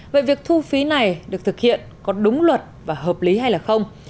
vậy việc thu phí này được thực hiện có đúng luật và hợp lý hay là không